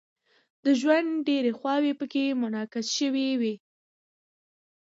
د ژوند ډیرې خواوې پکې منعکس شوې وي.